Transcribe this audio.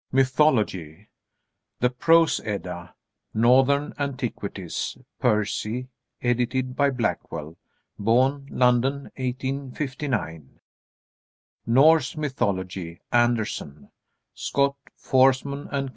MYTHOLOGY The Prose Edda, "Northern Antiquities," Percy, edited by Blackwell. Bohn, London, 1859. "Norse Mythology," Anderson. _Scott, Foresman & Co.